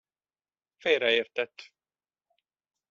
Félreértett.